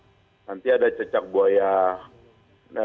apa yang akan terjadi ya seperti yang sudah terjadi enam belas tahun ya kan